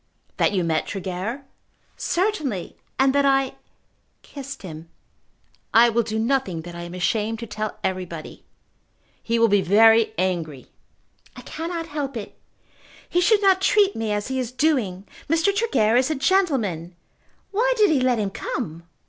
"That you met Tregear?" "Certainly; and that I kissed him. I will do nothing that I am ashamed to tell everybody." "He will be very angry." "I cannot help it. He should not treat me as he is doing. Mr. Tregear is a gentleman. Why did he let him come?